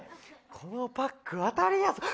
このパック、当たりです。